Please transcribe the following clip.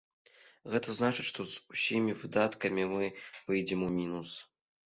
Гэта значыць, што з усімі выдаткамі мы выйдзем у мінус.